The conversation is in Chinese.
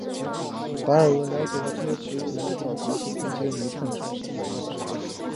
达尔文了解到这些植物能在沼泽或贫瘠的泥炭土或苔藓中生长茂盛。